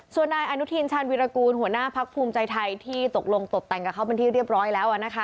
ส่วนนายอนุทินชาญวิรากูลหัวหน้าพักภูมิใจไทยที่ตกลงตบแต่งกับเขาเป็นที่เรียบร้อยแล้วนะคะ